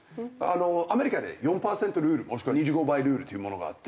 アメリカで４パーセントルールもしくは２５倍ルールというものがあって。